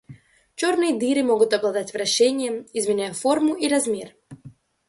Черные дыры могут обладать вращением, изменяя форму и размер.